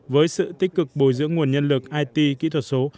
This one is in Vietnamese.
với sự tích cực bồi dưỡng nguồn nhân lực it kỹ thuật số